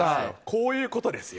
こういうことですよ。